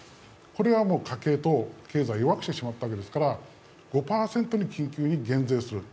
これが家計と経済を弱くしてしまったわけですから、５％に減税する。